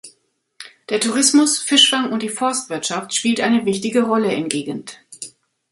Der Tourismus, Fischfang und die Forstwirtschaft spielt eine wichtige Rolle in Gegend.